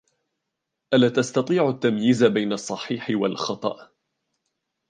ألا تستطيع التمييز بين الصحيح والخطأ ؟